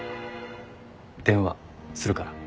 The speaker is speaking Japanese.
電話するから。